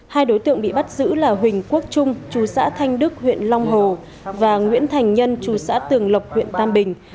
hai đối tượng bị bắt giữ là huỳnh quốc trung chú xã thanh đức huyện long hồ và nguyễn thành nhân chú xã tường lộc huyện tam bình